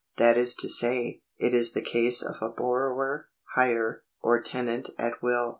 That is to say, it is the case of a borrower, hirer, or tenant at will.